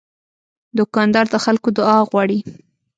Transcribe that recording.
دوکاندار د خلکو دعا غواړي.